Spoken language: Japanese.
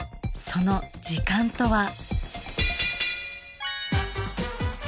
その時間とは？